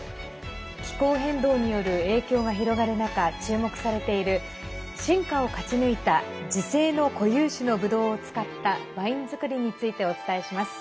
気候変動による影響が広がる中注目されている進化を勝ち抜いた自生の固有種のぶどうを使ったワインづくりについてお伝えします。